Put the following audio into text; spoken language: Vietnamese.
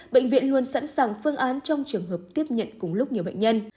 bệnh viện luôn sẵn sàng phương án trong trường hợp tiếp nhận cùng lúc nhiều bệnh nhân